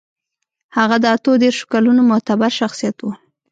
هغه د اتو دېرشو کلونو معتبر شخصيت و.